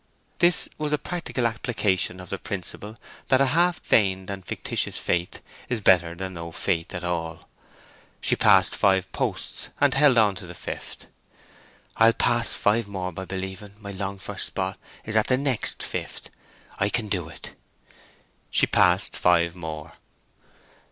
This was a practical application of the principle that a half feigned and fictitious faith is better than no faith at all. She passed five posts and held on to the fifth. "I'll pass five more by believing my longed for spot is at the next fifth. I can do it." She passed five more.